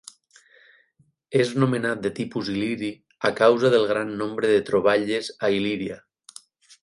És nomenat de tipus il·liri a causa del gran nombre de troballes a Il·líria.